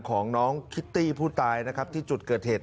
ของน้องคิตตี้ผู้ตายนะครับที่จุดเกิดเหตุ